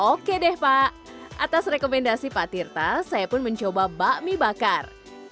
oke deh pak atas rekomendasi pak tirta saya pun mencoba bakmi bakar